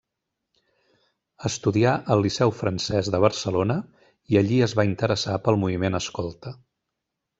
Estudià al Liceu Francès de Barcelona i allí es va interessar pel moviment escolta.